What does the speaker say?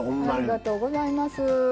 ありがとうございます。